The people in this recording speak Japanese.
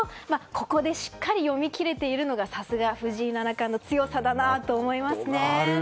ここでしっかり読み切れているのがさすが藤井七冠の強さだなと思いますね。